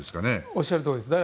おっしゃるとおりです。